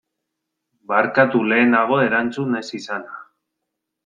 Barkatu lehenago erantzun ez izana.